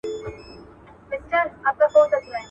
د دوی مخ ته د ملګري کښېناستل وه ..